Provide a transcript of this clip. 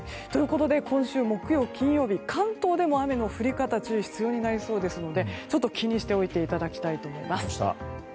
今週の木曜日、金曜日関東でも雨の降り方に注意が必要になりそうですので気にしておいていただきたいと思います。